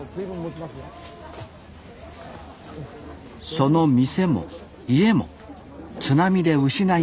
その店も家も津波で失いました